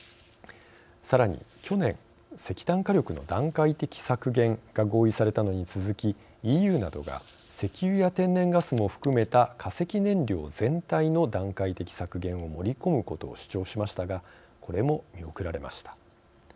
さらに去年石炭火力の段階的削減が合意されたのに続き、ＥＵなどが石油や天然ガスも含めた化石燃料全体の段階的削減を盛り込むことを主張しましたがこれも見送られました。